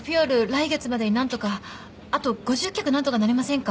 来月までに何とかあと５０客何とかなりませんか？